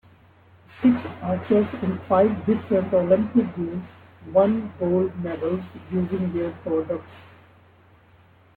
Six archers in five different Olympic Games won gold medals using their products.